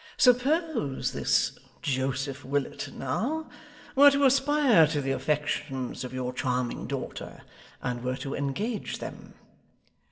'Suppose this Joseph Willet now, were to aspire to the affections of your charming daughter, and were to engage them.